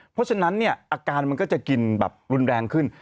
เพราะฉะนั้นเนี่ยอาการมันก็จะกินแบบรุนแรงขึ้น